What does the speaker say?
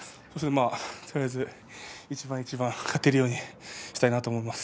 とりあえず一番一番勝てるようにしたいと思います。